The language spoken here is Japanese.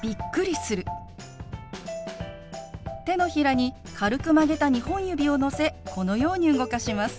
手のひらに軽く曲げた２本指をのせこのように動かします。